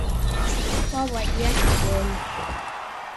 Waw'adia Kiw'onu.